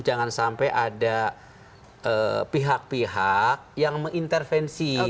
jangan sampai ada pihak pihak yang mengintervensi